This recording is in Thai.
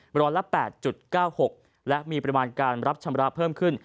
ร้อยละ๘๙๖และมีปริมาณการรับชำระเพิ่มขึ้น